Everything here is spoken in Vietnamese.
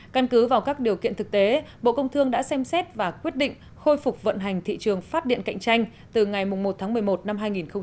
căn cứ vào các điều kiện thực tế bộ công thương đã xem xét và quyết định khôi phục vận hành thị trường phát điện cạnh tranh từ ngày một tháng một mươi một năm hai nghìn hai mươi